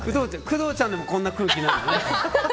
工藤ちゃんでもこんな空気になるのね。